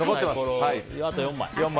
あと４枚。